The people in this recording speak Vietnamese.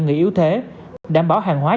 người yếu thế đảm bảo hàng hóa